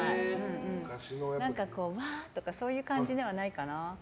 何かこう、わーとかそういう感じではないかな。